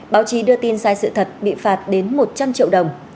báo chí đưa tin sai sự thật bị phạt đến một trăm linh triệu đồng